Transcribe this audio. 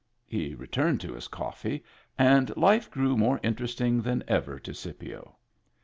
He returned to his cofifee, and life grew more inter esting than ever to Scipio.